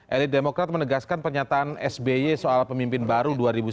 elit demokrat menegaskan pernyataan sby soal pemimpin baru dua ribu sembilan belas